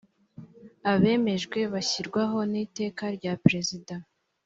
abemejwe bashyirwaho n’iteka rya perezida